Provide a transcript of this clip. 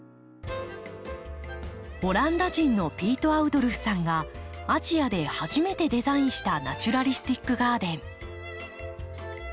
オランダ人のピート・アウドルフさんがアジアで初めてデザインしたナチュラリスティック・ガーデン。